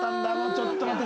ちょっと待って。